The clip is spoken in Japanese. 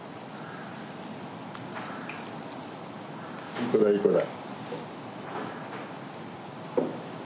いい子だいい子だ。